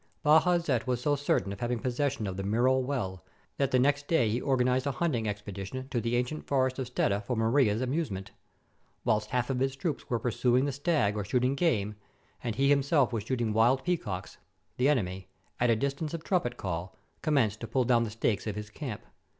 Bajazet was so certain of having possession of the Miral well, that the next day he organized a hunting expedition to the ancient forest of Stetta for Maria's amusement. Whilst half of his troops were pursuing the stag or shooting game, and he himself was shooting wild peacocks, the enemy, at a distance of trumpet call, com menced to pull down the stakes of his camp.